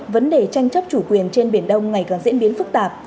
vấn đề tranh chấp chủ quyền trên biển đông ngày càng diễn biến phức tạp